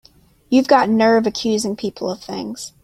You've got a nerve accusing people of things!